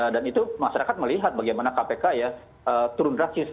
dan itu masyarakat melihat bagaimana kpk ya turun drastis